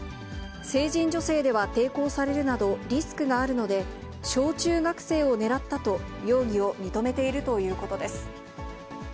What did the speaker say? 成人女性では抵抗されるなどリスクがあるので、小中学生を狙ったと、容疑を認めているということです。